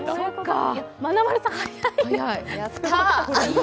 まなまるさん、早い！